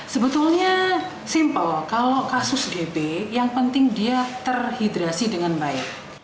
sebetulnya simple kalau kasus db yang penting dia terhidrasi dengan baik